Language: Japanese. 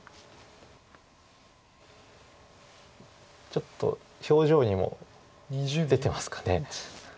ちょっと表情にも出てますか。